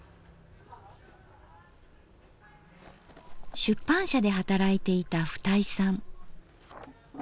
出版社で働いていた二井さん。